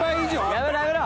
やめろやめろ。